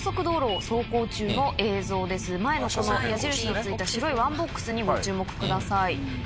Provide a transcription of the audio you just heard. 前の矢印のついた白いワンボックスにご注目ください。